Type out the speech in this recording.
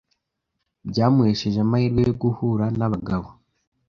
byamuhesheje amahirwe yo guhura n’abagabo